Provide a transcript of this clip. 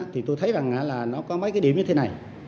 thì tôi thấy rằng là nó có mấy cái điểm như thế này